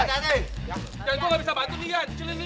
ya gue gak bisa bantu nian cililitan